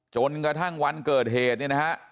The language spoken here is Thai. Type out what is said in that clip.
จนกระทั่งวันเกิดเหตุเนี่ยนะฮะ